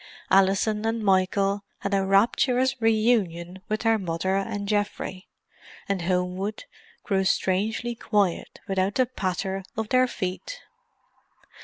Alison and Michael had a rapturous reunion with their mother and Geoffrey, and Homewood grew strangely quiet without the patter of their feet.